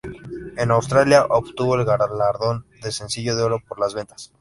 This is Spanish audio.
En Australia obtuvo el galardón de sencillo de Oro por las ventas.